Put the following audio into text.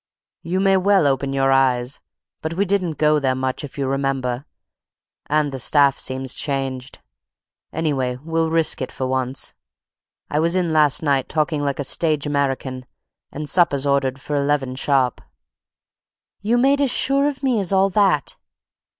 You may well open your eyes, but we didn't go there much, if you remember, and the staff seems changed. Anyway we'll risk it for once. I was in last night, talking like a stage American, and supper's ordered for eleven sharp." "You made as sure of me as all that!"